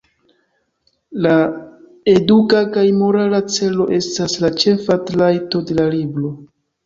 La eduka kaj morala celo estas la ĉefa trajto de la libro.